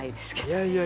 いやいや！